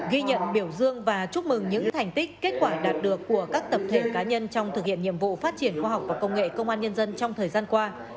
ghi nhận biểu dương và chúc mừng những thành tích kết quả đạt được của các tập thể cá nhân trong thực hiện nhiệm vụ phát triển khoa học và công nghệ công an nhân dân trong thời gian qua